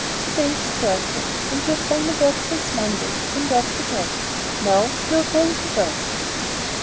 To day is Thursday, and you've done no work since Monday, when the work began. Now you are going to work.